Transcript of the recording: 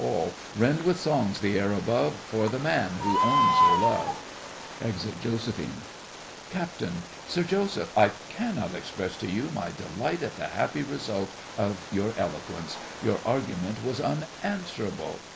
ALL. Rend with songs the air above For the man who owns her love! [Exit JOS. CAPT. Sir Joseph, I cannot express to you my delight at the happy result of your eloquence. Your argument was unanswerable.